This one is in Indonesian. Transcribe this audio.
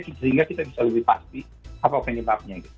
sehingga kita bisa lebih pasti apa penyebabnya gitu